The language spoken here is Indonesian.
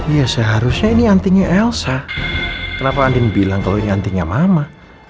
ya seharusnya ini antinya elsa kenapa andin bilang kalau ini antinya mama